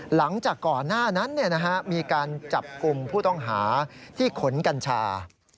หลังจากก่อนหน้านั้นมีการจับกลุ่มผู้ต้องหาที่ขนกัญชา